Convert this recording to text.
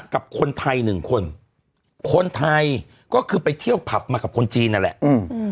กับคนไทยหนึ่งคนคนไทยก็คือไปเที่ยวผับมากับคนจีนนั่นแหละอืม